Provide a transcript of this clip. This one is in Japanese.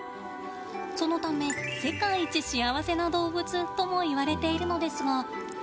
そのため世界一幸せな動物ともいわれているのですが。